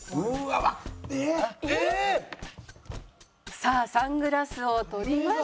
さあサングラスを取りました。